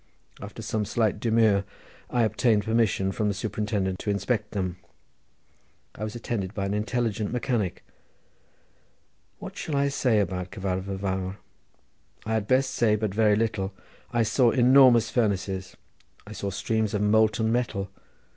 After some slight demur I obtained permission from the superintendent to inspect them. I was attended by an intelligent mechanic. What shall I say about the Cyfartha Fawr? I had best say but very little. I saw enormous furnaces. I saw streams of molten metal.